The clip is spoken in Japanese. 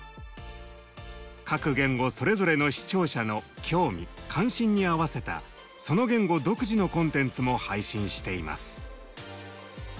各言語それぞれの視聴者の興味関心に合わせたその言語独自のコンテンツも配信しています。